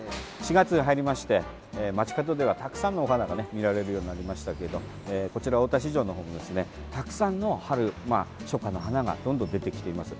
４月に入りまして街角ではたくさんのお花がね見られるようになりましけどこちら大田市場のほうではですねたくさんの春、初夏の花がどんどん出てきています。